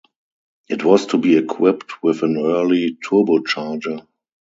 It was to be equipped with an early turbocharger.